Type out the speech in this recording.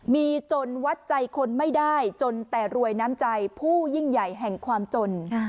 มีจนวัดใจคนไม่ได้จนแต่รวยน้ำใจผู้ยิ่งใหญ่แห่งความจน